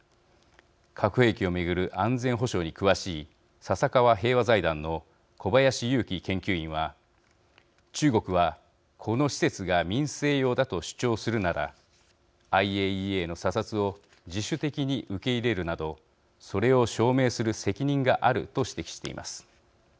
核兵器を巡る安全保障に詳しい笹川平和財団の小林祐喜研究員は中国は、この施設が民生用だと主張するならＩＡＥＡの査察を自主的に受け入れるなどそれを証明する責任があると指摘しています。